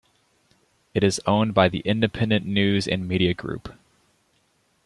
It is owned by the Independent News and Media group.